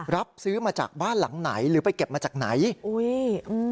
รับซื้อมาจากบ้านหลังไหนหรือไปเก็บมาจากไหนอุ้ยอืม